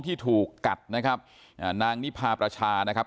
ที่ถูกกัดนะครับอ่านางนิพาประชานะครับ